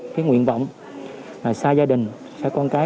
cái nguyện vọng xa gia đình xa con cái